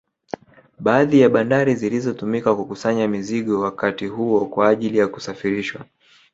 Baadhi ya bandari zilizotumika kukusanya mizigo wakati huo kwa ajili ya kusafirishwa